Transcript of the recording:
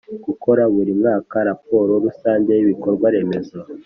gukora buri mwaka raporo rusange y ibikorwa remezo